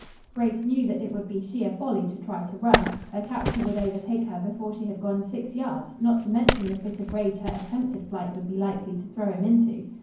Grace knew that it would be sheer folly to try to run. Her captor would overtake her before she had gone six yards, not to mention the fit of rage her attempted flight would be likely to throw him into.